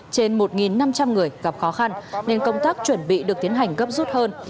trên một năm trăm linh người gặp khó khăn nên công tác chuẩn bị được tiến hành gấp rút hơn